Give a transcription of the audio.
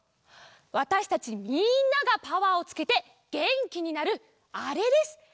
わたしたちみんながパワーをつけてげんきになるあれです。